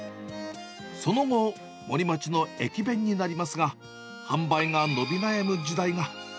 その後、森町の駅弁になりますが、販売が伸び悩む時代が。